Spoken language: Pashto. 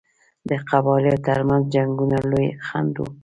د قبایلو ترمنځ جنګونه لوی خنډ وو.